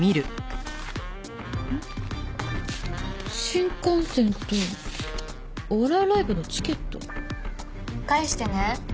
新幹線とお笑いライブのチケット？返してね。